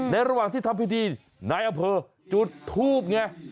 ระหว่างที่ทำพิธีนายอำเภอจุดทูบไง